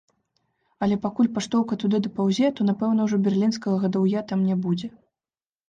Але пакуль паштоўка туды дапаўзе, то напэўна ўжо берлінскага гадаўя там не будзе.